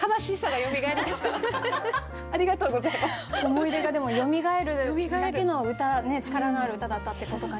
思い出がでもよみがえるだけの歌力のある歌だったってことかな。